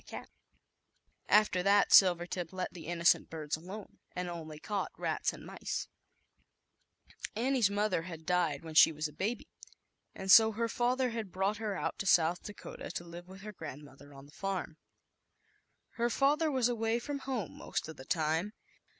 15 After that Silvertip let the innocent birds alone and only caught rats and mice, Annie's mother had died when was a baby, and so her fathe brought her out to South Dakota with her grandmother on the farm. Her father was away from home/most of the time.